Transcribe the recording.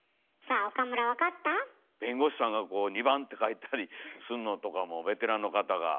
弁護士さんが「２番」って書いたりすんのとかもベテランの方が。